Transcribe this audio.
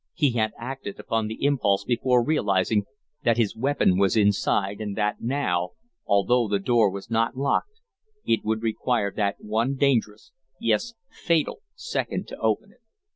He had acted upon the impulse before realizing that his weapon was inside and that now, although the door was not locked, it would require that one dangerous, yes, fatal, second to open it.